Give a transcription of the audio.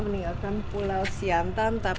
kami meninggalkan pulau siantan